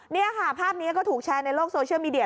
นี่ค่ะภาพนี้ก็ถูกแชร์ในโลกโซเชียลมีเดีย